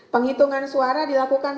penghitungan suara dilakukan